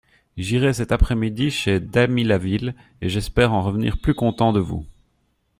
J'irai cette après-midi chez Damilaville, et j'espère en revenir plus content de vous.